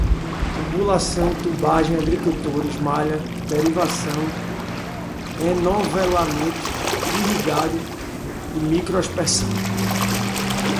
tubulação, tubagem, agricultores, malha, derivação, enovelamento, irrigado, microaspersão